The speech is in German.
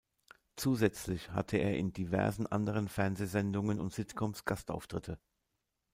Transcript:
Zusätzlich hatte er in diversen anderen Fernsehsendungen und Sitcoms Gastauftritte.